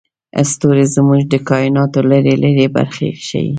ستوري زموږ د کایناتو لرې لرې برخې ښيي.